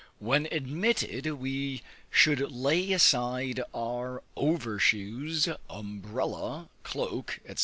When admitted, we should lay aside our over shoes, umbrella, cloak, &c.